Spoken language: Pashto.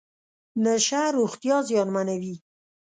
نشه روغتیا زیانمنوي .